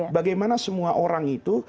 bagaimana semua orang itu